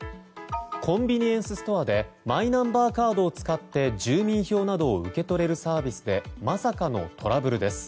コンビニエンスストアでマイナンバーカードを使って住民票などを受け取れるサービスでまさかのトラブルです。